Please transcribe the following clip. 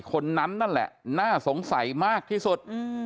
คนนั้นนั่นแหละน่าสงสัยมากที่สุด